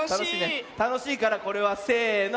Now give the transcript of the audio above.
たのしいからこれはせの。